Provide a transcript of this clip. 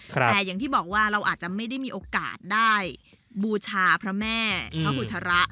แต่อย่างที่บอกว่าเราอาจจะไม่ได้มีโอกาสได้บูชาพระแม่พระอุชระ